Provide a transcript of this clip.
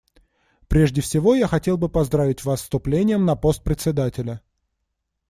Прежде всего я хотел бы поздравить Вас с вступлением на пост Председателя.